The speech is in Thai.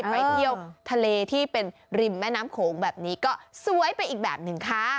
ไปเที่ยวทะเลที่เป็นริมแม่น้ำโขงแบบนี้ก็สวยไปอีกแบบหนึ่งค่ะ